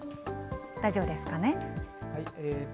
大丈夫ですかね。